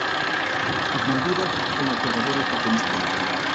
As Maldivas son observadores da comisión.